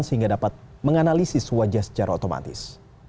sehingga dapat menganalisis wajah secara otomatis